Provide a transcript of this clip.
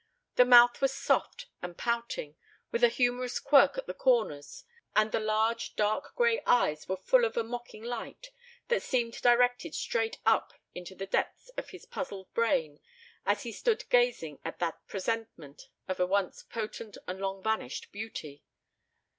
The mouth was soft and pouting, with a humorous quirk at the corners, and the large dark gray eyes were full of a mocking light that seemed directed straight into the depths of his puzzled brain as he stood gazing at that presentment of a once potent and long vanished beauty.